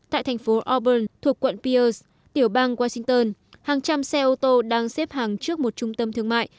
tại thành phố auburn thuộc quận piers tiểu bang washington hàng trăm xe ô tô đang xếp hàng trước một trung tâm thương mại